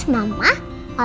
terima kasih ya